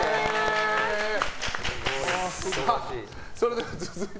それでは続いて。